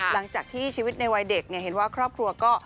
หลังจากที่ชีวิตในวัยเด็กเห็นว่าครอบครัวก็